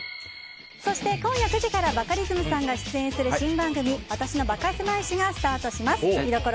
そして、今夜９時からバカリズムさんが出演する新番組「私のバカせまい史」がスタートします。